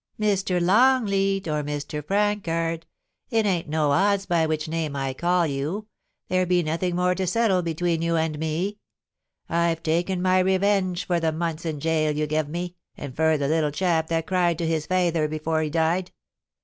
* Mr. T X)ngleat, or Mr. Prancard — it ain't no odds V which name I call you — there be nothing more to setde between you and me. I've taken my revenge for ^ months in gaol you gev me, and fur the little chap that cried to kiss his feyther afore he died. ...